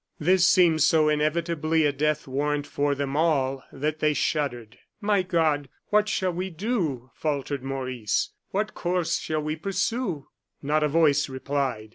This seemed so inevitably a death warrant for them all, that they shuddered. "My God! what shall we do?" faltered Maurice. "What course shall we pursue?" Not a voice replied.